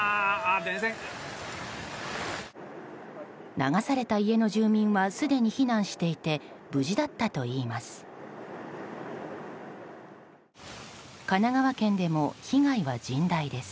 流された家の住民はすでに避難していて無事だったといいます。